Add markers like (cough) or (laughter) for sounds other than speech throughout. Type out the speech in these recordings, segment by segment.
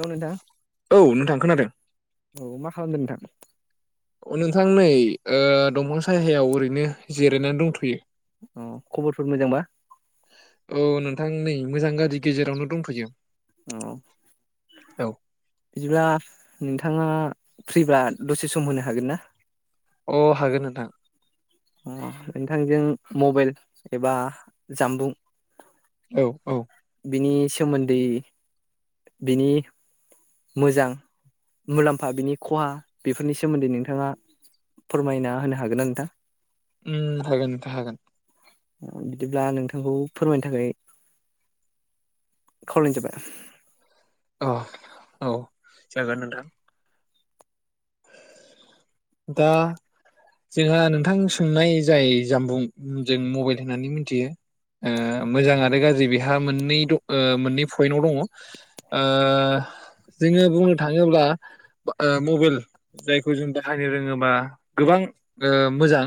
औ नोंथां। औ नोंथां खोनादों औ मा खालामदों नोंथां? अ नोंथां नै ओ दंफां सायहायाव ओरैनो जिरायना दंथ'यो। अ खबरफोर मोजांबा? नोंथं नै मोजां गारजि गेजेरावनो दंथ'यो। औ औ बिदिब्ला नोंथाङा फ्रिब्ला दसे सम होनो हागोन ना? अ हागोन नोंथां। अ नोंथांजों मबाइल एबा जानबुं औ औ। सोमोन्दै बिनि मोजां मुलाम्फा बिनि खहा बेफोरनि सोमोन्दै नोंथाङा फोरमायना होनो हागोन ना नोंथां? उम हागोन नोंथां हागोन ओ बिदिब्ला नोंथांखौ फोरमायनो थाखाय खावलायनाय जाबाय। अ औ जागोन नोंथां। दा जोंहा नोंथां सोंनाय जाय जानबुं जों मबाइल होननानै मोनथियो। ओ मोजां आरो गाज्रि बेहा मोननै ओ मोननै पइन्टाव दङ ओ जोङो बुंनो थाङोब्ला ओ मबाइल जायखौ जों बाहायनो रोङोबा गोबां ओ मोजां।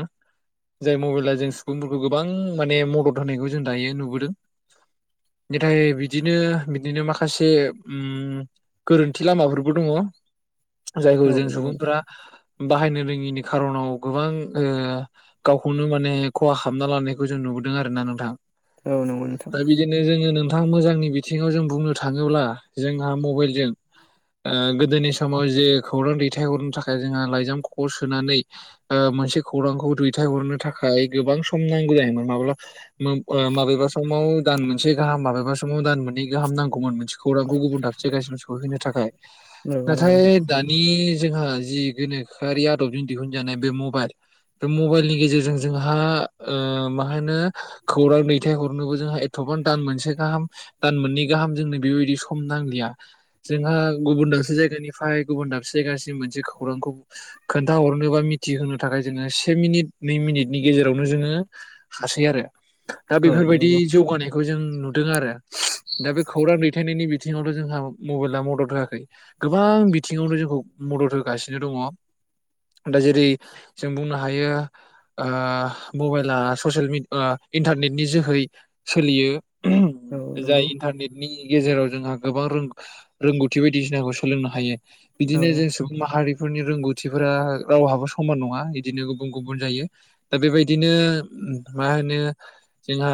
जाय मबाइला जों सुबुंफोरखौ गोबां माने मदद होनायखौ जों दायो नुबोदों। (inaudible) नाथाय बिदिनो बिदिनो माखासे ओम गोरोन्थि लामाफोरबो दङ। जायखौ जों सुबुंफोरा बाहायनो रोङिनि खार'नाव गोबां ओ गावखौनो माने खहा खामना लानायखौ जों नुबोदों आरो ना नोंथां। औ नंगौ नोंथां दा बिदिनो जोङो दा मोजांनि बिथिङाव जों बुंनो थाङोब्ला जोंहा मबाइलजों ओ गोदोनि समाव जे खौरां दैथायहरनो थाखाय जोंहा लाइजाम ख'आव सोनानै ओ मोनसे खौरांखौ दैथायहरनो थाखाय गोबां सम नांगौ जायोमोन माब्ला माबेबा समाव दान मोनसे गाहाम माबेबा समाव दान मोननै गाहाम नांगौमोन मोनसे खौरांखौ गुबुन दाबसे सहैहोनो थाखाय होनो था खाय औ नंगौ नाथाय दानि जोंहा जि गोनोखोआरि आदबजों दिहुनजानाय बे मबाइल बे मबाइलनि गेजेरजों जोंहा ओ मा होनो खौरां दैथायहरनोबो जोंहा एथ बां दान मोनसे गाहाम दान मोननै गाहाम जोंनो बेबायदि सम नांलिया जोंहा गुबुन दा बसे जायगानिफ्राय गुबुन दाबसे जायगासिम मोनसे खौरांखौ खोन्थाहरनोबा मि थि होनो थाखाय जोङो से मिनिट नै मिनिटनि गेजेरावनो जोङो हासै आरो। दा बेफोरबायदि नोंथां जौगानायखौ जों नुदों आरो। दा बे खौरां दैथायनायनि बिथिङावथ' जोंहा मबाइला मदद होआखै गोबां बिथिङावनो जोंखौ मदद होगासिनो दङ। दा जेरै जों बुंनो हायो ओ मबाइला स'सियेल मि इन्टारनेटनि जोहै सोलियो औ नंगौ नोंथां औ जाय नंगौ औ इन्टारनेट नि गेजेराव जोंहा गोबां रों-रोंगौथि बायदिसिनाखौ सोलोंनो हायो। नंगौ बिदिनो जों औ सुबुं माहारिफोरनि रोंगौथिफोरा रावहाबो स मान नङा बिदिनो गुबुन गुबुन जायो दा बेबायदिनो मा होनो जोंहा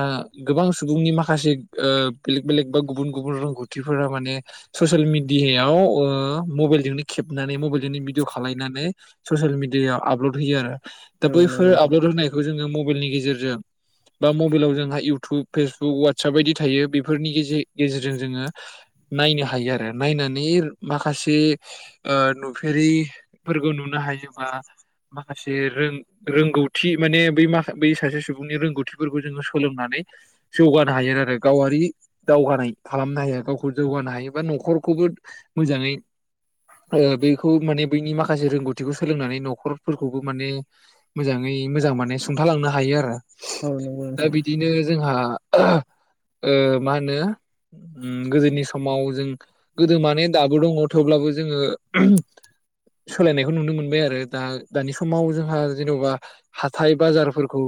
गोबां सुबुंनि माखासे ओ बेलेग बेलेग बा गुबुन गुबुन रोंगौथिफोरा माने स'सियेल मिडियायाव ओ मबाइलजोंनो खेबनानै मबाइलजोंनो भिदिअ खालायनानै स'सियेल मिडियायाव आपलड होयो आरो दा औ नंगौ बैफोर नोंथां आपलड होनायखौ जोङो मबाइलनि गेजेरजों बा मबाइलाव जोंहा इउटुब फेसबुक वाटसाप बायदि थायो बेफोरनि गेजे- गेजेरजों जोङो नायनो हायो आरो नायनानै माखासे ओ नुफेरिफोरखौ नुना हायोबा। माखासे रों रोंगौथि माने बै माख बै सासे सुबुंनि रोंगौथिफोरखौ जोङो सोलोंनानै। जौगानो हायो आरो गावारि दावगानाय खालामनो हायो गावखौ जौगानो हायो बा न'खरखौबो। जोबोद मोजाङै ओ बेखौ माने बैनि माखासे रोंगौथिखौ सोलोंनानै न'खर। फोरखौबो माने मोजाङै मोजां माने सुंथालांनो हायो आरो। औ नंगौ दा नोंथां बिदिनो जोंहा ओ मा होनो। उ गोदोनि समाव जों गोदो माने दाबो दङ थेवब्लाबो जोङो। सोलायनायखौ नुनो मोनबाय आरो दा। दानि समाव जोंहा जेन'बा हाथाय बाजारफोरखौ।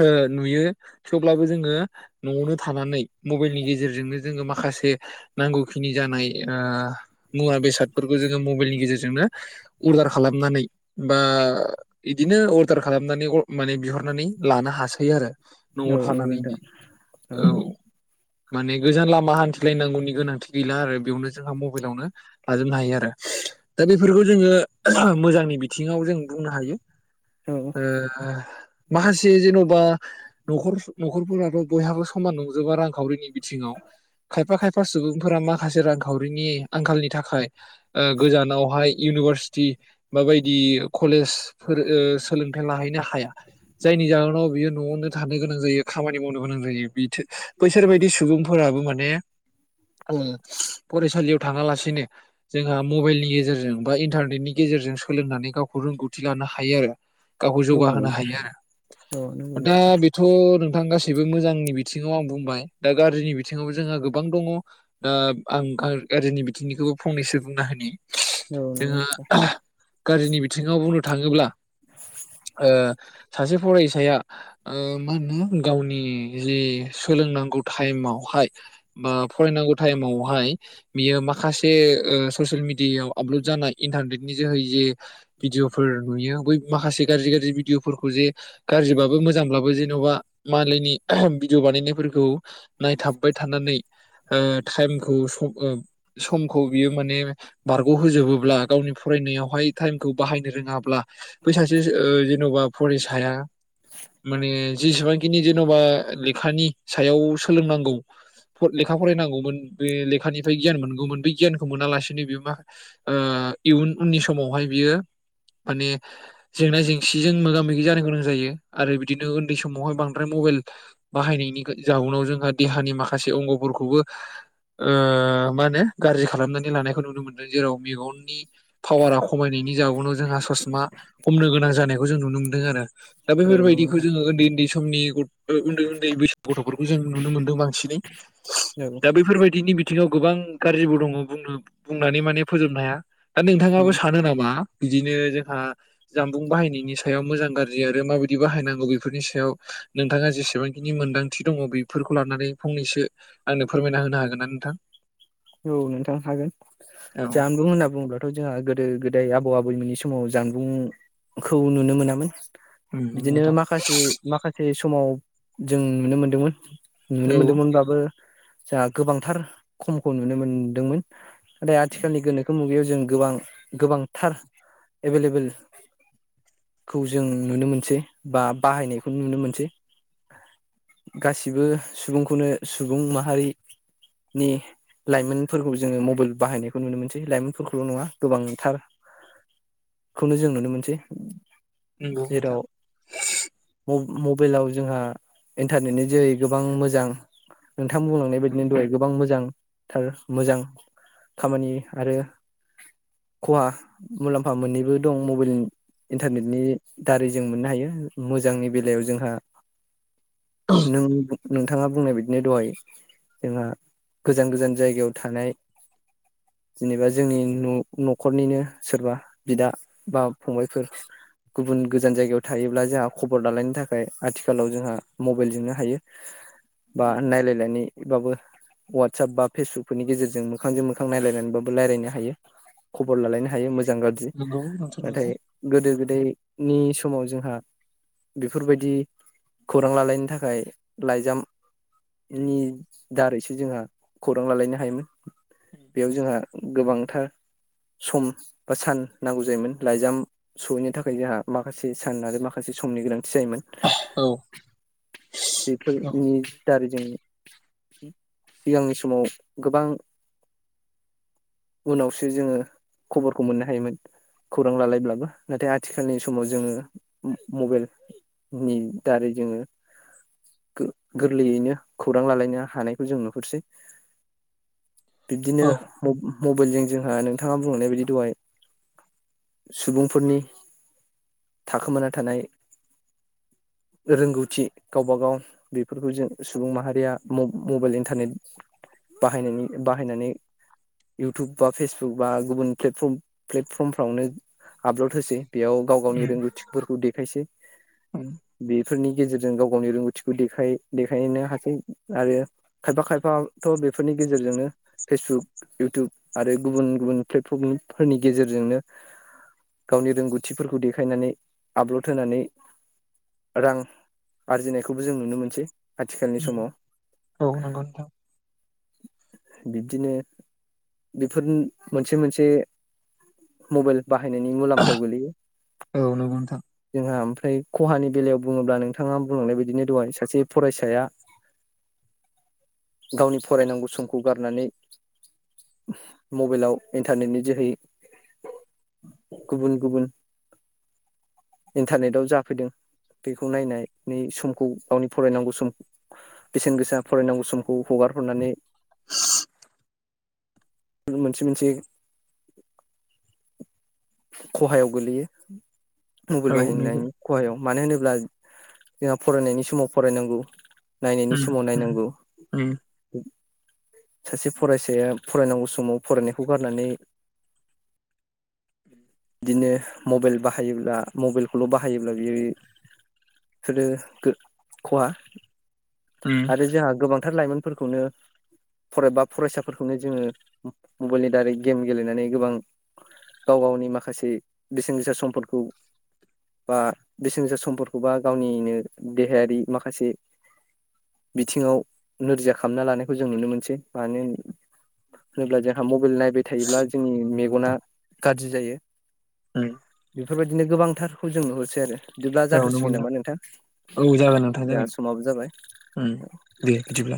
ओ नुयो थेवब्लाबो जोङो न'आवनो थानानै मबाइलनि गेजेरजोंनो जोङो। माखासे नांगौखिनि जानाय ओ मुवा बेसादफोरखौ जोङो मबाइलनि गेजेरजोंनो। उर्दार खालामनानै। बा बिदिनो अर्दार खालामनानै अ माने बिहरनानै लानो हासै आरो। न'आव औ नंगौ थानानैनो नोंथां औ। माने गोजान लामा हान्थिलायनांगौनि गोनांथि गैला आरो बेयावनो जोंहा मबाइलावनो लाजोबनो हायो आरो। दा बेफोरखौ जोङो मोजांनि बि थिङाव जों बुंनो हायो औ औ ओ माखासे जेन'बा न'खर न'खरफोराथ' बयहाबो समान नंजोबा रांखावरिनि बिथिङाव। खायफा खायफा सुबुंफोरा माखासे रांखावरिनि आंखालनि थाखाय ओ गोजानावहाय इउनिभारसिटि बा बाय दि कलेजफोर ओ सोलोंथाइ लाहैनो हाया। जायनि जाहोनाव बियो न'आवनो थानो गोनां जायो खामानि मावनो गोनां जायो बिथि बैसोर बायदि सुबुंफोरा आबो माने। उम फरायसालियाव थाङालासिनो जोंहा मबाइलनि गेजेरजों बा इन्टारनेटनि गेजेरजों सोलोंनानै गावखौ रोंगौथि लानो हायो आरो। गावखौ औ नंगौ जौगाहोनो हायो आरो औ नंगौ दा नोंथां बेथ' नों नोंथां गासैबो मोजांनि बिथिङाव आं बुंबाय दा गाज्रिनि बिथिङावबो जोंहा गोबां दङ दा आं गा गारजिनि बिथिंनिखौबो फंनैसो बुंना होनि। औ नंगौ नोंथां। गारजिनि बिथिङाव बुंनो थाङोब्ला ओ सासे फरायसाया ओ मा होनो गावनि जि सु सोलोंनांगौ टाइमावहाय बा फरायनांगौ टाइमावहाय बियो माखासे ओ ससियेल मिडियायाव आपलड जानाय इन्टारनेटनि जोहै जे भिदिअफोर नुयो बै माखासे गाज्रि गाज्रि भिदिअफोरखौ जे गाज्रिब्लाबो मोजांब्लाबो जेन' बा मालायनि भिडिअ बानायनायफोरखौ नायथाबबाय थानानै ओ टाइमखौ सम ओ समखौ बियो माने बारग' होजोबोब्ला गावनि फराय नायावहाय टाइमखौ बाहायनो रोङाब्ला बैसासे ओ जेन'बा फरायसाया माने जेसेबांखिनि जेन'बा लेखानि सायाव सोलोंनांगौ लेखा फरायनांगौमोन बे लेखानिफ्राय गियान मोनगौमोन। बे गियानखौ मोनालासिनो बे मा ओ ओ इउन उननि समावहाय बियो माने जेंना जेंसिजों मोगा मोगि जानो गोनां जायो। आरो बिदिनो उन्दै समावहाय बांद्राय मबाइल बाहायनायनि गो जाउनाव जोंहा देहानि माखासे अंगफोरखौबो ओ मा होनो गाज्रि खालामनानै लानायखौ नुनो मोनदों। जेराव मेगननि पावारा ख खमायनायनि जाउनाव जोंहा ससमा हमनो गोनां जानायखौ जों नुनो मोनदों आरो। दा औ नंगौ बेफोरबायदिखौ नोंथां जोङो उन्दै उन्दै समनि गथ उन्दै उन्दै बैसो गथ' फोरखौ जों नुनो मोनदों बांसिनै औ दा बैफोरबायदिनि बिथिङाव गोबां गाज्रिबो दङ बुंनो बुंनानै माने फोजोबनो हाया। दा औ नोंथाङाबो सानो नामा बिदिनो जोंहा जामबुं बाहायनायनि सायाव मोजां गाज्रि आरो माबायदि बाहायनांगौ बेफोरनि सायाव नोंथाङा जेसेबांखिनि मोन्दांथि दङ बेफोरखौ लानानै फंनैसो आंनो फोरमायना होनो हागोन ना नोंथां? औ नोंथां हागोन औ जामबुं होनना बुंङोब्लाथ' जोंहा गोद गोदो गोदाय आबौ आबैमोननि समाव जानबुंखौ नुनो मोनामोन। उम नंगौ बिदिनो नोंथां माखासे माखासे समाव जों नुनो मोनदोंमोन औ नुनो मोन्दोंमोनब्लाबो जोंहा गोबांथार खमखौ नुनो मोनदोंमोन। नाथाय आथिखालनि गोनोखो मुगायाव जों गोबां गोबांथार एभेलेबेल खौ जों नुनो मोनसै बा बाहायनायखौ नुनो मोनसै। गासिबो सुबुंखौनो सुबुं माहारिनि लाइमोनफोरखौ जोङो मबाइल बाहायनायखौ नुनो मोनसै। लाइमोनफोरखौल नङा गोबांथार खौनो जों नुनो मोनसै नंगौ जेराव नोंथां मबाइलाव जोंहा इन्टारनेटनि जोहै गोबां मोजां नोंथां बुंलांनाय बायदिनो दहाय गोबां मोजां थार मोजां खामानि आरो खहा मुलाम्फा मोननैबो दं मबाइल इन्टारनेटनि दारै जों मोननो हायो। मोजांनि बेलायाव जोंहा नों नोंथाङा बुंनाय बदिनो दहाय जोंहा गोजान गोजान जायगायाव थानाय जेनेबा जोंनि न गुबुन गोजान जायगायाव थायोब्ला जोंहा खबर लालायनो थाखाय आथिखालाव जोंहा मबाइलजोंनो हायो बा उम नायलायलायनायबाबो। वाटसाप बा फेसबुकफोरनि गेजेरजों मोखांजों मोखां नायलायनानैबाबो रायलायनो हायो। खबर लालायनो हायो मोजां गाज्रि नंगौ नोंथां नाथाय नंगौ गोदो गोदाय नि समाव जोंहा बेफोरबायदि खौरां लालायनो थाखाय लाइजाम नि दारैसो जोंहा खौरां लालायनो हायोमोन बेयाव जोंहा गोबांथार सम सान नांगौ जायोमोन लाइजाम सहैनो थाखाय जोंहा माखासे सान आरो माखासे समनि गोनांथि जायोमोन। औ औ बेफोरनि दारै जों सिगांनि समाव गोबां उनावसो जोंङो खबरखौ मोननो हायोमोन। खौरां लालायब्लाबो नाथाय आथिखालनि समाव जोंङो मबाइल नि दारै जोंङो गोरलैयैनो खौरां लालायनो हानायखौ जों नुहरसै। बिब्दिनो औ मबाइलजों जोंहा नोंथाङा बुंहरनाय बायदि दहाय सुबुंफोरनि थाखोमाना थानाय रोंगौथि गावबा गाव बेफोरखौ जों सुबुं माहारिया मबाइल इन्टारनेट बाहायनायनि बाहायनानै इउटुब बा फेसबुक बा गुबुन प्लेटफर्म प्लेटफर्मफ्रावनो आपलड होसै बेयाव गाव गावनि उम रोंगौथिफोरखौ देखायसै उम बेफोरनि गेजेरजों जों गाव गावनि रोंगौथिखौ देखायनो हासै आरो खायफा खायफाथ बेफोरनि गेजेरजों जोनो फेसबुक इउटुब आरो गुबुन गुबुन प्लेटफर्मफोरनि गेजेरजोंनो गावनि रोंगौथिफोरखौ देखायनानै आपलड होनानै रां आरजिनायखौबो जों नुनो मोनसै आथिखालनि उम समाव औ नंगौ नोंथां बिब्दिनो बेफोर मोनसे मोनसे मबाइल बाहायनायनि मुलाम्फायाव गोलैयो। औ नोंगौ नोंथां। ओ ओमफ्राय खहानि बेलायाव बुङोब्ला नों नोंथाङा बुंलांनाय बायदिनो दहाय सासे फरायसाया गावनि फरायनांगौ समखौ गारनानै मबाइलाव इन्टारनेटनि जोहै गुबुन - गुबुन इन्टारनेटाव जाफैदों बेखौ नायनाय नै समखौ गावनि फरायनांगौ सम बेसेन गोसा फरायनांगौ समखौ हगार हरनानै मोनसे -मोनसे खहायाव गोलैयो। मबाइल औ नंगौ बाहायनायनि खहायाव मानो होनोब्ला जोंहा फरायनायनि समाव फरायनांगौ नायनायनि उम समाव उम नायनांगौ। उम सासे फरायसाया फरायनांगौ समाव फरायनायखौ गारनानै (inaudible) बिदिनो मबाइल बाहायोब्ला मबाइलखौल' बाहायोब्ला बियो फोरो खहा उम आरो जोंहा गोबां फोथार लाइमोन फोरखौनो फराय बा फरायसाफोरखौनो जोङो मबाइलनि दारै गेम गेलेनानै गोबां गाव गावनि माखासे बेसेन गोसा सम्फोरखौ बा बेसेन गोसा समफोरखौबा गावनिनो देहायारि माखासे बिथिङाव नोरजिया खालामना लानायखौ जों नुनो मोनसै मानो होनोब्ला जोंहा मबाइल नायबाय थायोब्ला जोंनि मेगना गाज्रि जायो। अम। बेफोर बायदिनो गोबांथारखौ जों नुहरसै आरो बिदिब्ला औ जाथ'सि नंगौ सिगोन नामा नोंथां औ जागोन नोंथां जोंहा जागोन समाबो जाबाय। उम दे बिदिब्ला